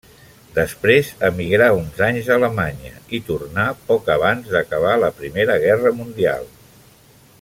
Després emigrà uns anys a Alemanya i tornà poc abans d'acabar la Primera Guerra Mundial.